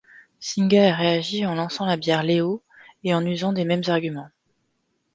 Singha a réagi en lançant la bière Leo et en usant des mêmes arguments.